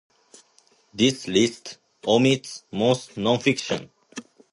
This list omits most nonfiction.